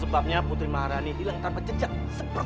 masa bodoh serahkan kalung itu padaku